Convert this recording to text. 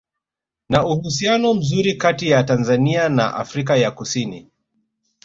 Na uhusiano mzuri kati ya Tanzania na Afrika ya kusini